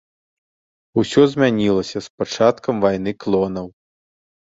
Усё змянілася з пачаткам вайны клонаў.